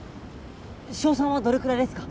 勝算はどれくらいですか？